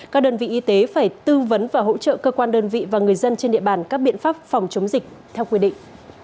các đơn vị y tế phải tư vấn và hỗ trợ cơ quan đơn vị và người dân trên địa bàn các biện pháp phòng chống dịch theo quy định